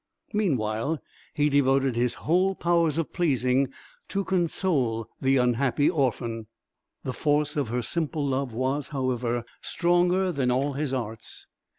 Meanwhile he devoted his whole powers of pleasing to console the unhappy orphan. The force of her simple love was, however, stronger than all his arts.